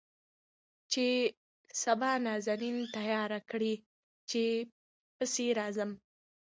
چې سبا نازنين تيار کړي چې پسې راځم.